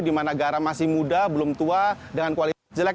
di mana garam masih muda belum tua dengan kualitas jelek